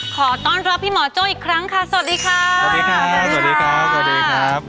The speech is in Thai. ขอต้อนรับพี่หมอโจ้อีกครั้งค่ะสวัสดีค่ะสวัสดีค่ะสวัสดีครับสวัสดีครับ